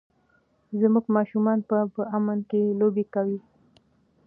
زموږ ماشومان به په امن کې لوبې کوي.